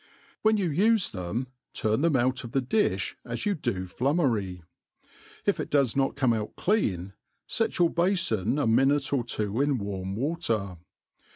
When you ufe them, turn them out of the difh as you do flumnery. If it docs not come out clean, fet your bafon a minute or two in warm water.